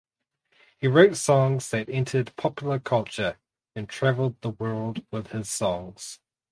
He wrote songs that entered popular culture and traveled the world with his songs.